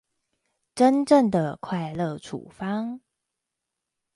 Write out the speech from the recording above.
真正的快樂處方